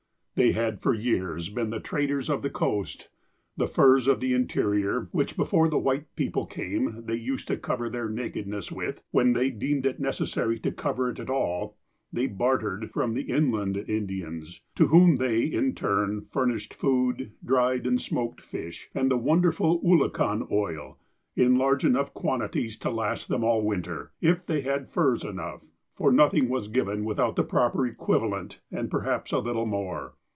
They had for years been the traders of the coast. The furs of the interior, which, before the white people came, they used to cover their nakedness with, when they deemed it necessary to cover it at all, they bartered from the inland Indians, to whom they, in turn, furnished food, dried and smoked fish, and the wonderful oolakan oil, in large enough quantities to last them all winter, if they had furs enough, for nothing was given without the proper equivalent, and perhaps a little more.